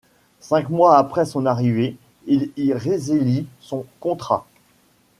Cinq mois après son arrivée, il y résilie son contrat.